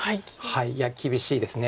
いや厳しいです。